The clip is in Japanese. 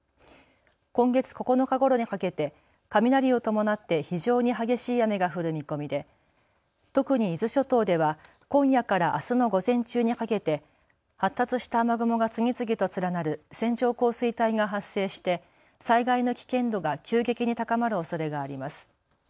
今月９日ごろにかけて雷を伴って非常に激しい雨が降る見込みで特に伊豆諸島では今夜からあすの午前中にかけて発達した雨雲が次々と連なる線状降水帯が発生して災害の危険度が急激に高まるおそれがあります。